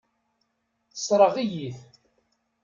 Tessṛeɣ-iyi-t.